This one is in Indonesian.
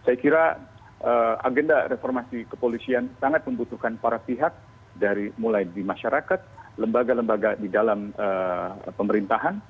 saya kira agenda reformasi kepolisian sangat membutuhkan para pihak dari mulai di masyarakat lembaga lembaga di dalam pemerintahan